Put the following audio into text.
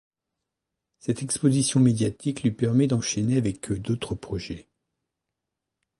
Cette exposition médiatique lui permet d'enchaîner avec d'autres projets.